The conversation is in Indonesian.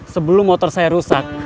sebelum motor saya rusak